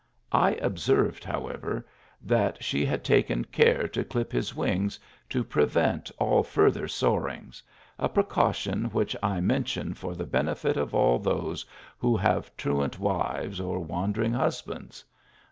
I observed, however, that she had taken care to clip his wings to prevent all future soarings ; a precaution which I mention for the benefit of all those who have truant wives or wan dering husbands.